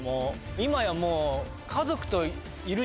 今やもう。